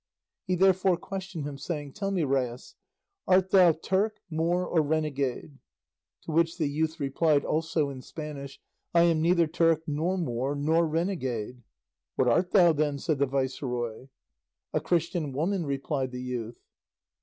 He therefore questioned him, saying, "Tell me, rais, art thou Turk, Moor, or renegade?" To which the youth replied, also in Spanish, "I am neither Turk, nor Moor, nor renegade." "What art thou, then?" said the viceroy. "A Christian woman," replied the youth.